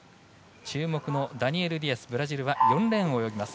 注目のダニエル・ディアスブラジルは４レーンを泳ぎます。